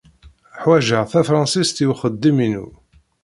Ḥwajeɣ tafṛensist i uxeddim-inu.